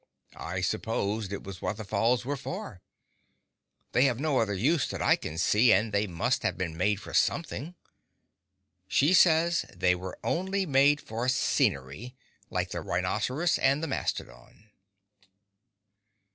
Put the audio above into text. I supposed it was what the Falls were for. They have no other use that I can see, and they must have been made for something. She says they were only made for scenery—like the rhinoceros and the mastodon.